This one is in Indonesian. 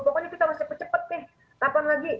pokoknya kita harus cepet cepet deh kapan lagi